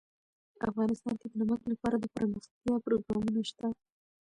افغانستان کې د نمک لپاره دپرمختیا پروګرامونه شته.